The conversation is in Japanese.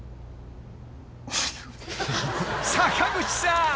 ［坂口さん。